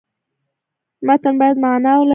متن باید معنا ولري.